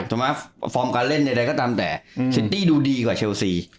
สมมติฟอร์มการเล่นใดก็ตามแต่เซตตี้ดูดีกว่าเชลส์ซี